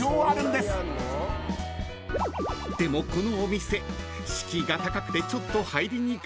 ［でもこのお店敷居が高くてちょっと入りにくい］